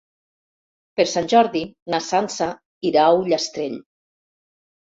Per Sant Jordi na Sança irà a Ullastrell.